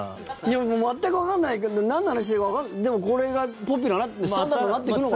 もう全くわかんないけどなんの話してるのかわかんないでもこれがポピュラーにスタンダードになっていくのかな？